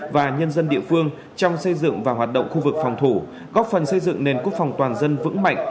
và nhân dân địa phương trong xây dựng và hoạt động khu vực phòng thủ góp phần xây dựng nền quốc phòng toàn dân vững mạnh